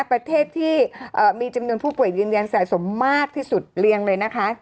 ประเทศที่มีจำนวนผู้ป่วยยืนยันสะสมมากที่สุดเรียงเลยนะคะ